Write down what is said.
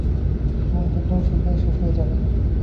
এবং, যুদ্ধও শীঘ্রই শেষ হয়ে যাবে।